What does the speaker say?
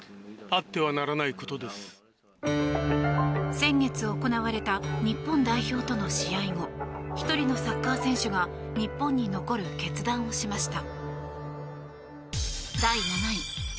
先月行われた日本代表との試合後１人のサッカー選手が日本に残る決断をしました。